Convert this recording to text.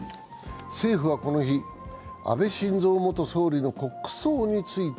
政府はこの日、安倍晋三元総理の国葬について